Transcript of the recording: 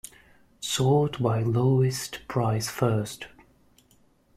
Sort by lowest price first.